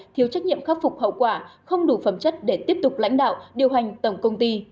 thiếu trách nhiệm khắc phục hậu quả không đủ phẩm chất để tiếp tục lãnh đạo điều hành tổng công ty